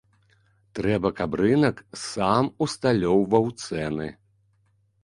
Трэба, каб рынак сам усталёўваў цэны.